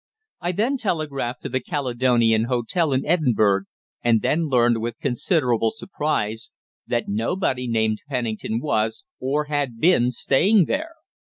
I then telegraphed to the Caledonian Hotel in Edinburgh, and then learned, with considerable surprise, that nobody named Pennington was, or had been, staying there.